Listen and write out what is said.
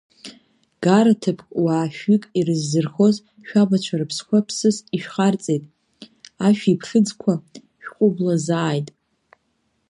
Гараҭыԥк уаа шәҩык ирыззырхоз шәабацәа рыԥсқәа ԥсыс ишәхарҵеит, ашәиԥхьыӡқәа шәҟәыблаазааит.